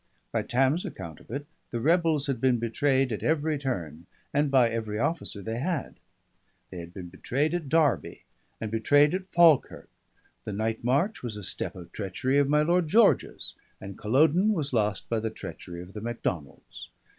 By Tam's account of it, the rebels had been betrayed at every turn and by every officer they had; they had been betrayed at Derby, and betrayed at Falkirk; the night march was a step of treachery of my Lord George's; and Culloden was lost by the treachery of the Macdonalds.